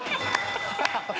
ハハハハ！